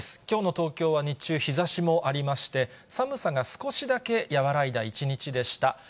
きょうの東京は日中、日ざしもありまして、寒さが少しだけ和らいだ一日でした。